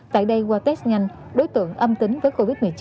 tại đây qua test nhanh đối tượng âm tính với covid một mươi chín